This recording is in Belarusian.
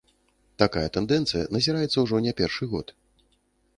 Такая тэндэнцыя назіраецца ўжо не першы год.